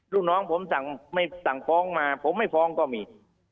ลูกน้องผมสั่งฟ้องมาผมไม่ฟ้องก็มี